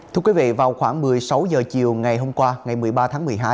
thưa quý vị vào khoảng một mươi sáu h chiều ngày hôm qua ngày một mươi ba tháng một mươi hai